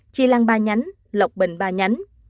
chi lan ba nhánh lọc bình ba nhánh